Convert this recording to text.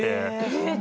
えっ？